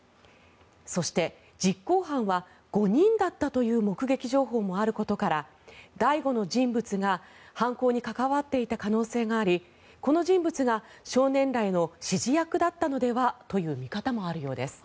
そして、実行犯は５人だったという目撃情報もあることから第５の人物が犯行に関わっていた可能性がありこの人物が少年らへの指示役だったのではという見方もあるようです。